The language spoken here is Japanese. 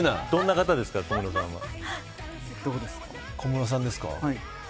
小室さんですか。